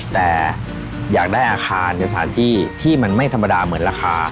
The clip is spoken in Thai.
แต่อยากได้อาคารในสถานที่ที่มันไม่ธรรมดาเหมือนราคา